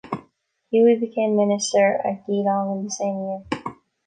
Huie became minister at Geelong in the same year.